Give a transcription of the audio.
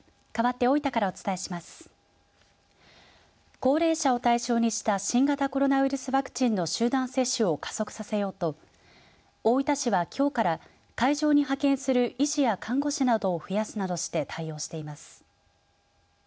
高齢者を対象にした新型コロナウイルスのワクチンの集団接種を加速させようと大分市は今日から会場に派遣する医師や看護師などを増やすとして対応しています。